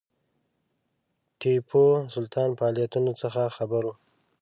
ټیپو سلطان فعالیتونو څخه خبر وو.